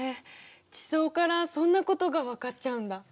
地層からそんなことが分かっちゃうんだ！